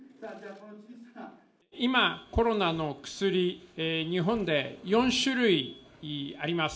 今、コロナの薬、日本で４種類あります。